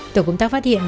tổ công tác phát hiện